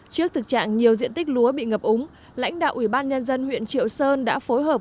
trước thực trạng nhiều diện tích lúa bị ngập úng lãnh đạo ủy ban nhân dân huyện triệu sơn đã phối hợp